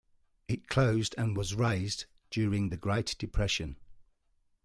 It closed and was razed during the Great Depression.